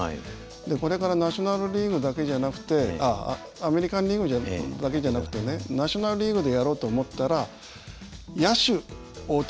これからナショナルリーグだけじゃなくてアメリカンリーグだけじゃなくてねナショナルリーグでやろうと思ったら野手大谷。